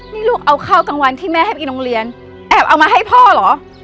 นี่ลูกเอาข้าวกลางวันที่แม่ให้ไปโรงเรียนแอบเอามาให้พ่อเหรอ